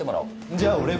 じゃあ俺も。